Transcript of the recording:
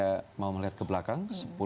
saya mau melihat ke belakang